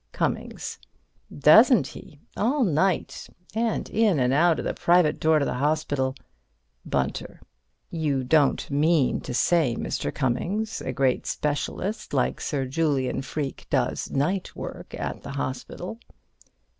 Cummings: Doesn't he? All night. And in and out of the private door to the hospital. Bunter: You don't mean to say, Mr. Cummings, a great specialist like Sir Julian Freke does night work at the hospital?